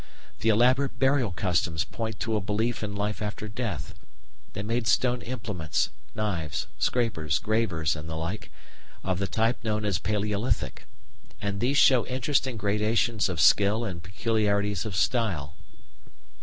The elaborate burial customs point to a belief in life after death. They made stone implements knives, scrapers, gravers, and the like, of the type known as Palæolithic, and these show interesting gradations of skill and peculiarities of style.